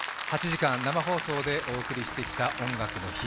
８時間生放送でお送りしてきた「音楽の日」。